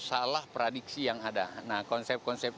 salah prediksi yang ada nah konsep konsep